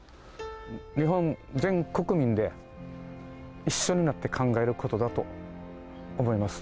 日本全国民で、一緒になって考えることだと思います。